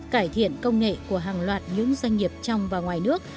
cải thiện công nghệ của hàng loạt những doanh nghiệp trong và ngoài nước